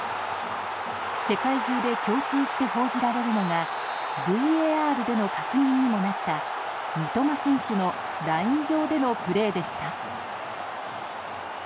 世界中で共通して報じられるのがＶＡＲでの確認にもなった三笘選手のライン上でのプレーでした。